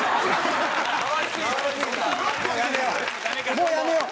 もうやめよう。